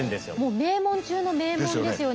名門中の名門ですよね。